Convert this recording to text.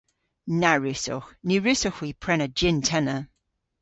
Na wrussowgh. Ny wrussowgh hwi prena jynn-tenna.